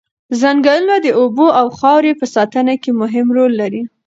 ځنګلونه د اوبو او خاورې په ساتنه کې مهم رول لري.